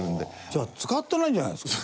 じゃあ使ってないんじゃないですか。